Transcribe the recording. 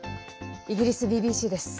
イギリスＢＢＣです。